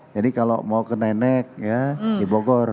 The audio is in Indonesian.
jadi kalau mau ke nenek ya di bogor